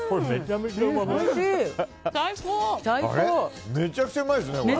めちゃくちゃうまいですねこれ。